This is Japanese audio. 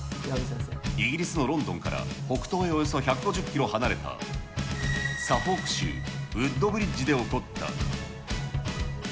イギリスのロンドンから北東へおよそ１５０キロ離れた、サフォーク州ウッドブリッジで起こった。